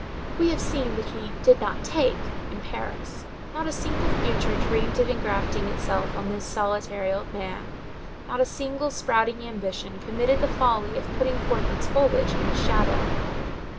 We have seen that he "did not take" in Paris. Not a single future dreamed of engrafting itself on this solitary old man. Not a single sprouting ambition committed the folly of putting forth its foliage in his shadow.